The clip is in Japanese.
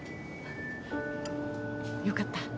よかった。